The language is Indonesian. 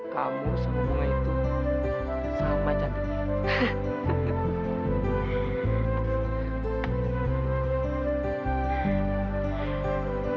kamu semua itu sama cantiknya